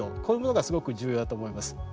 こういうものがすごく重要だと思います。